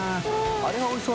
これおいしそう。